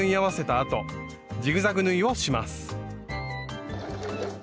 あとジグザグ縫いをします。